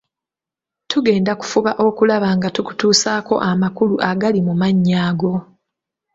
Tugenda kufuba okulaba nga tukutuusaako amakulu agali mu mannya ago.